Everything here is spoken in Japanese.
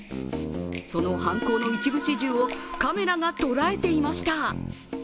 その犯行の一部始終をカメラが捉えていました。